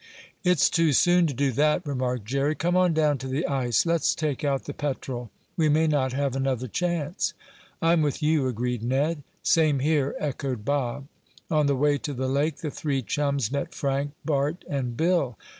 "It's too soon to do that," remarked Jerry. "Come on down to the ice. Let's take out the Petrel. We may not have another chance." "I'm with you," agreed Ned. "Same here," echoed Bob. On the way to the lake the three chums met Frank, Bart and Bill.